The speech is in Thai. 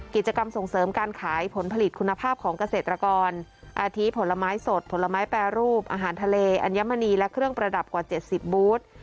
กิจกรรมส่งเสริมการขายผลผลิตคุณภาพของเกษตรกรอาทิตผลไม้สดผลไม้แปรรูปอาหารทะเลอัญมณีและเครื่องประดับกว่า๗๐บูธ